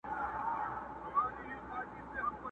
چي سردار دی د ګلونو خو اصیل ګل د ګلاب دی!.